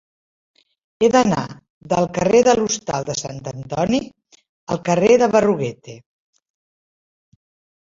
He d'anar del carrer de l'Hostal de Sant Antoni al carrer de Berruguete.